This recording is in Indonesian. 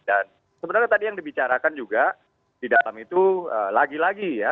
dan sebenarnya tadi yang dibicarakan juga di dalam itu lagi lagi ya